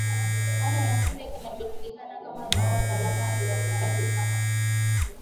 suala la kile kinachojulikana kama nyumba salama aliongeza akisema kwamba